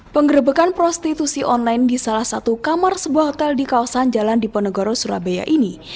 penggerbekan prostitusi online di salah satu kamar sebuah hotel di kawasan jalan diponegoro surabaya ini